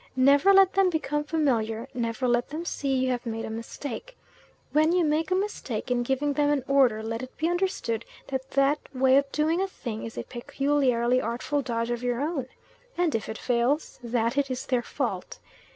Never let them become familiar, never let them see you have made a mistake. When you make a mistake in giving them an order let it be understood that that way of doing a thing is a peculiarly artful dodge of your own, and if it fails, that it is their fault.